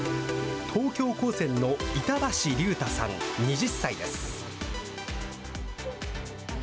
東京高専の板橋竜太さん２０歳です。